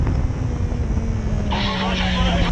دغه که ګناه وي زه پخوا دوږخ منلی یم